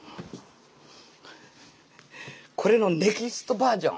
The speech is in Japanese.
これのネクストバージョン。